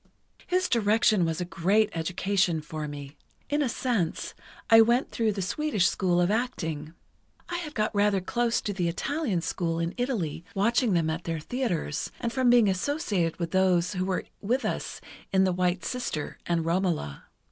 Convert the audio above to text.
"His direction was a great education for me. In a sense, I went through the Swedish school of acting. I had got rather close to the Italian school in Italy, watching them at their theatres, and from being associated with those who were with us in 'The White Sister' and 'Romola.